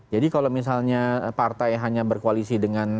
jadi kalau misalnya partai hanya berkoalisi dengan